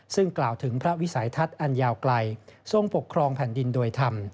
ซึ่งกล่าวถึงพระวิสัยทัศน์อันยาวไกลทรงปกครองแผ่นดินโดยธรรม